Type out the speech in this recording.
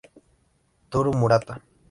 Toru Murata